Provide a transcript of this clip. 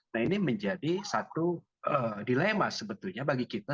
nah ini menjadi satu dilema sebetulnya bagi kita